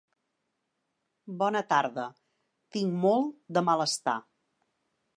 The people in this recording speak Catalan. Bona tarda. Tinc molt de malestar.